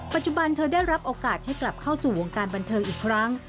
ปัจจุบันเธอได้รับโอกาสให้กลับเข้าสู่วงการบันเทิงอีกครั้ง